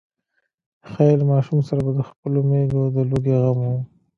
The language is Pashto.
ښايي له ماشوم سره به د خپلو مېږو د لوږې غم و.